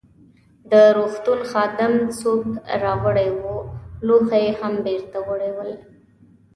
د روغتون خادم سوپ راوړی وو، لوښي يې هم بیرته وړي ول.